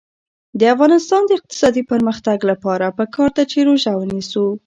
د افغانستان د اقتصادي پرمختګ لپاره پکار ده چې روژه ونیسو.